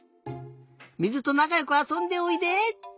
水となかよくあそんでおいで！